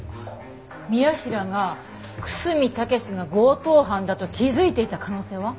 宮平が楠見武が強盗犯だと気づいていた可能性は？